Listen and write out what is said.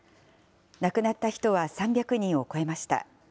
亡くなった人は３００人を超えました。